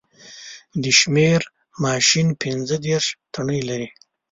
د شمېر ماشین پینځه دېرش تڼۍ لري